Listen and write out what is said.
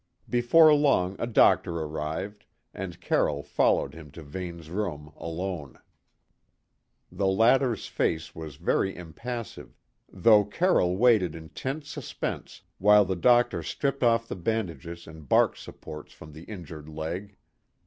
Before long a doctor arrived, and Carroll followed him to Vane's room alone. The latter's face was very impassive, though Carroll waited in tense suspense while the doctor stripped off the bandages and bark supports from the injured leg.